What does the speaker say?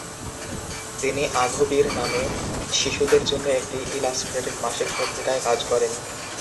তিনি "আঘবীর" নামে শিশুদের জন্য একটি ইলাস্ট্রেটেড মাসিক পত্রিকায় কাজ করেন।